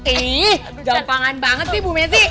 ih gampangan banget sih bu messi